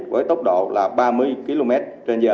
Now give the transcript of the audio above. với tốc độ là ba mươi kmh